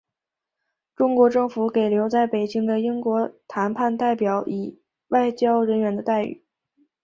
中国政府给留在北京的英国谈判代表以外交人员的待遇。